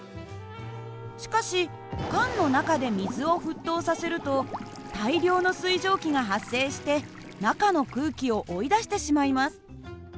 しかし缶の中で水を沸騰させると大量の水蒸気が発生して中の空気を追い出してしまいます。